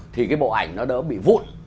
thì cái bộ ảnh nó đỡ bị vụn